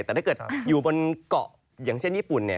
แต่ถ้าเกิดอยู่บนเกาะอย่างเช่นญี่ปุ่นเนี่ย